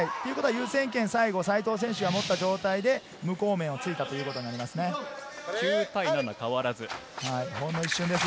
優先権は西藤選手がもった状態で無効面を突いたということになります。